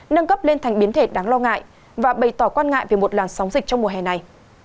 nâng cấp lên thành biến thể đáng lo ngại và bày tỏ quan ngại về một làn sóng dịch trong mùa hè này